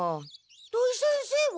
土井先生は？